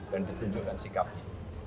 dan ditunjukkan sikapnya